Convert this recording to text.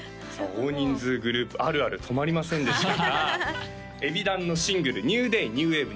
大人数グループあるある止まりませんでしたがＥＢｉＤＡＮのシングル「Ｎｅｗｄａｙ！Ｎｅｗｗａｖｅ！